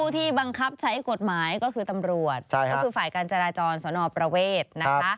ที่บังคับใช้กฎหมายก็คือตำรวจก็คือฝ่ายการจราจรสนประเวทนะคะ